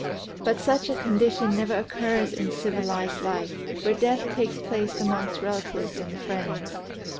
But such a condition never occurs in civilized life where death takes place amongst relatives and friends.